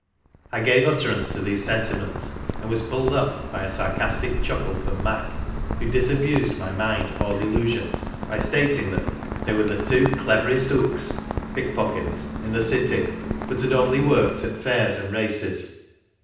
I gave utterance to these senti ments, and was pulled up by a sarcastic chuckle from Mac, who disabused my mind of all illusions by stating that "they were the two clev'rest hooka ^IITMTNAL MANCItKSTKR WlfA (pickpockets) in tlio city, but only worked at fairs and races."